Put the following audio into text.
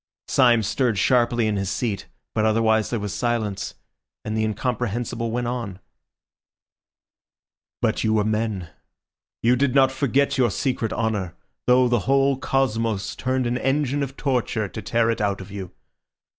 Syme stirred sharply in his seat, but otherwise there was silence, and the incomprehensible went on. "But you were men. You did not forget your secret honour, though the whole cosmos turned an engine of torture to tear it out of you.